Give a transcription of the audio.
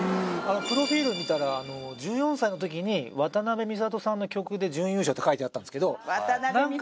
プロフィール見たら１４歳の時に渡辺美里さんの曲で準優勝って書いてあったんですけど何か